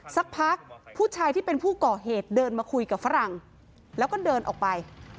สักพักผู้ชายที่เป็นผู้ก่อเหตุเดินมาคุยกับฝรั่งแล้วก็เดินออกไป